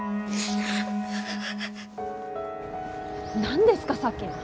何ですかさっきの。